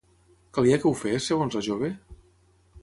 Calia que ho fes, segons la jove?